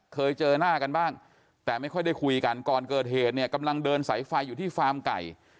เคยเจอหน้ากันบ้างแต่ไม่ค่อยได้คุยกันก่อนเกิดเหตุเนี่ยกำลังเดินสายไฟอยู่ที่ฟาร์มไก่